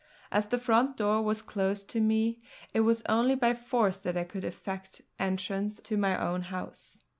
As the front door was closed to me, it was only by force that I could effect entrance to my own house.